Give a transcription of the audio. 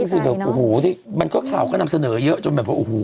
เขาบอกแล้วเขารอที่๒๔ชั่วโมง